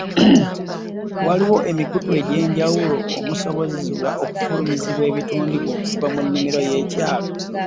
Waliwo emikutu egy’enjawulo omusobola okufulumiza ebitundibwa okuva mu nnimiro y’ekyalo.